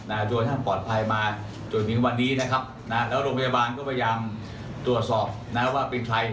แล้วโรงพยาบาลก็พยายามตรวจสอบว่าเป็นใคร